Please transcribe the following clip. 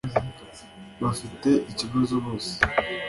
bafite iki kibazo bose